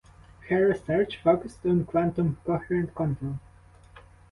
Her research focused on quantum coherent control.